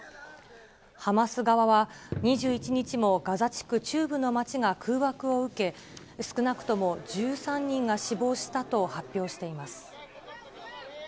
ハマス側は２１日もガザ地区中部の町が空爆を受け、少なくとも１３人が死亡したと発表しています。